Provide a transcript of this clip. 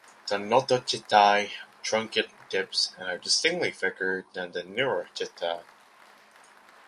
The notochaetae have truncate tips and are distinctly thicker than the neurochaetae.